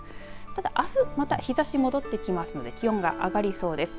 ただ、あすまた日ざしが戻ってきますので気温が上がりそうです。